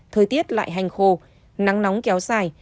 thời tiết lại hành khô nắng nóng kéo dài